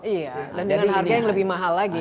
iya dan dengan harga yang lebih mahal lagi